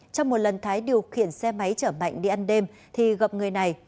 trong một lần thái điều khiển xe máy chở mạnh đi ăn đêm thì gặp người này